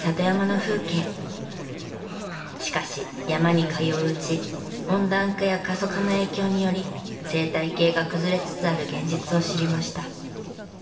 しかし山に通ううち温暖化や過疎化の影響により生態系が崩れつつある現実を知りました。